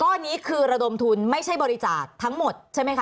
ข้อนี้คือระดมทุนไม่ใช่บริจาคทั้งหมดใช่ไหมคะ